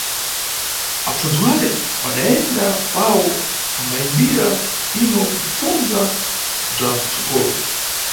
Apfundzi wale wadayenda pawo ambayimbira yino kupfundza bza tsogolo.